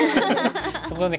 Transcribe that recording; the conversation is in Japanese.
そこがね